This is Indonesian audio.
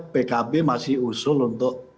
pkb masih usul untuk